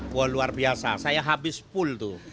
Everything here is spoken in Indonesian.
kuah luar biasa saya habis pul tuh